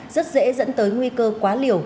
rất dễ dẫn tới nguy cơ quá liệt